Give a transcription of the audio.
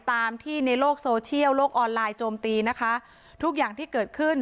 ตามที่ในโลกโซเชียลโลกออนไลน์โจมตีนะคะทุกอย่างที่เกิดขึ้น